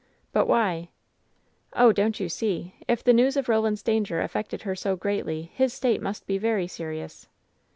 "But why ?" "Oh, don't you see ? If the news of Roland's danger affected her so greatly, his state must be very serious."